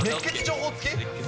熱ケツ情報つき？